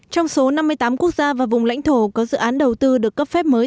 trong số năm mươi tám quốc gia và vùng lãnh thổ có dự án đầu tư được cấp phép mới